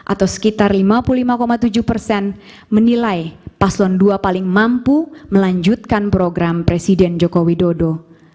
atau sekitar lima puluh lima tujuh persen menilai paslon dua paling mampu melanjutkan program presiden joko widodo